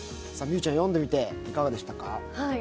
美羽ちゃん読んでみていかがでしたか？